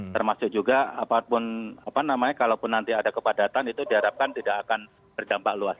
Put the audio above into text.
termasuk juga apapun kalaupun nanti ada kepadatan itu diharapkan tidak akan berdampak luas